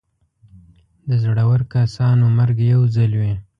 د زړور کسانو مرګ یو ځل وي.